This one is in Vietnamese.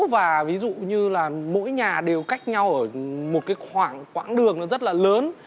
và ví dụ như là mỗi nhà đều cách nhau ở một cái khoảng đường rất là lớn